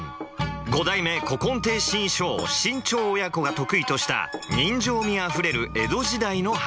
五代目古今亭志ん生・志ん朝親子が得意とした人情味あふれる江戸時代の噺。